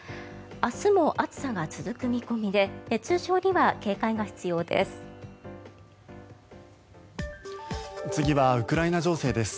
明日も暑さが続く見込みで熱中症には警戒が必要です。